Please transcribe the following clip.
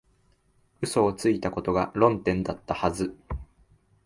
嘘をついたことが論点だったはず